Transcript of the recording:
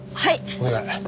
お願い。